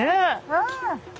うん。